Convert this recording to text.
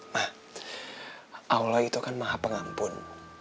nah allah itu kan maha pengampun